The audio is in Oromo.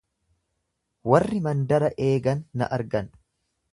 Warri mandara eegan na argan.